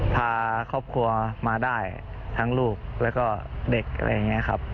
พาครอบครัวมาได้ทั้งลูกแล้วก็เด็กอะไรอย่างนี้ครับ